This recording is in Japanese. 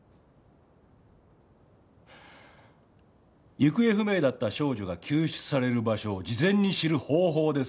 行方不明だった少女が救出される場所を事前に知る方法ですよ。